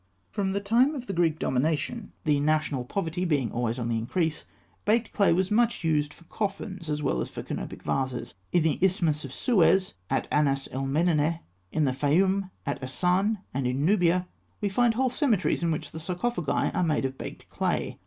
From the time of the Greek domination, the national poverty being always on the increase, baked clay was much used for coffins as well as for canopic vases. In the Isthmus of Suez, at Ahnas el Medineh, in the Fayûm, at Asûan, and in Nubia, we find whole cemeteries in which the sarcophagi are made of baked clay.